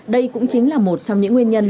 đây cũng chính là một trong những nguyên nhân